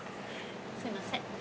すいません。